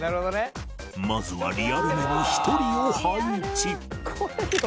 まずはリアルめの１人を配置